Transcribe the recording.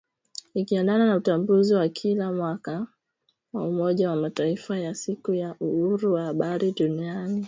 ikiendana na utambuzi wa kila mwaka wa Umoja wa Mataifa wa siku ya uhuru wa habari duniani